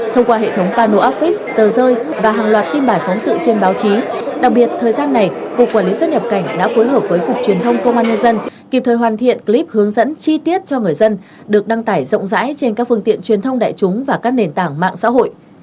thông qua hệ thống pano áp vích tờ rơi và hàng loạt tin bài phóng sự trên báo chí đặc biệt thời gian này cục quản lý xuất nhập cảnh đã phối hợp với cục truyền thông công an nhân dân kịp thời hoàn thiện clip hướng dẫn chi tiết cho người dân được đăng tải rộng rãi trên các phương tiện truyền thông đại chúng và các nền tảng mạng xã hội